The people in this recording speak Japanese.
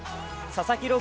佐々木朗